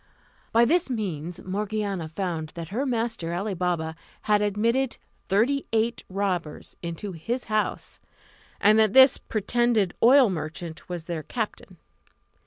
By this means Morgiana found that her master Ali Baba had admitted thirty eight robbers into his house, and that this pretended oil merchant was their captain.